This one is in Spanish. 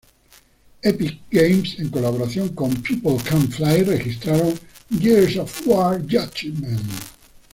Epic Games en colaboración con People Can Fly registraron "Gears of War: Judgment".